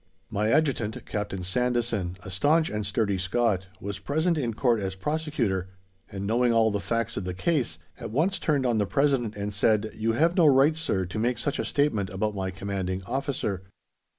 My adjutant, Captain Sandison, a staunch and sturdy Scot, was present in Court as Prosecutor, and, knowing all the facts of the case, at once turned on the President and said, "You have no right, Sir, to make such a statement about my Commanding Officer.